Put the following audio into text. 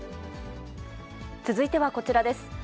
続いてはこちらです。